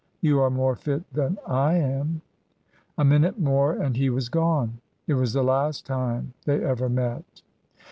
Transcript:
You are more fit than I am." A minute more and he was gone. It was the last time they ever met.